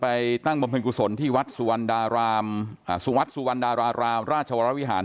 ไปตั้งบมพิวสรที่วัดสุวรรณราลว์ราชวรวิหาร